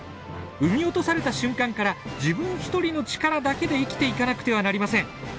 産み落とされた瞬間から自分独りの力だけで生きていかなくてはなりません。